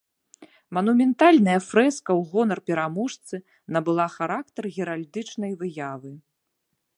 Манументальная фрэска ў гонар пераможцы набыла характар геральдычнай выявы.